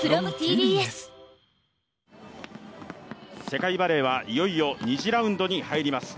世界バレーはいよいよ２次ラウンドに入ります。